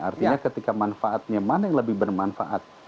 artinya ketika manfaatnya mana yang lebih bermanfaat